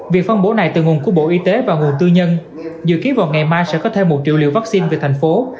việc phân bổ này từ nguồn của bộ y tế và nguồn tư nhân dự kiến vào ngày mai sẽ có thêm một triệu liều vaccine về thành phố